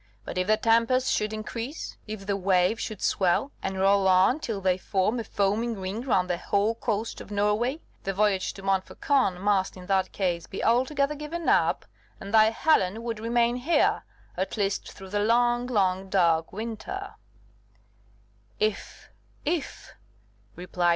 But if the tempest should increase? If the waves should swell, and roll on till they form a foaming ring round the whole coast of Norway? The voyage to Montfaucon must in that case be altogether given up, and thy Helen would remain here, at least through the long, long, dark winter." "If! if!"